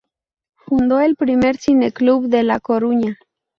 Fundó el primer cineclub de la Coruña.